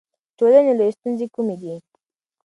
د ټولنې لویې ستونزې کومې دي؟